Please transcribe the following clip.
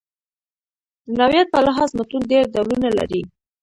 د نوعیت په لحاظ متون ډېر ډولونه لري.